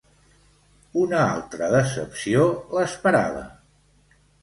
Una altra decepció l"esperava